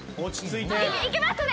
いきますね。